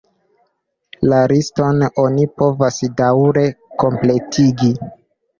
La liston oni povas daŭre kompletigi.